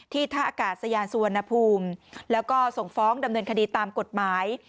ท่าอากาศยานสุวรรณภูมิแล้วก็ส่งฟ้องดำเนินคดีตามกฎหมาย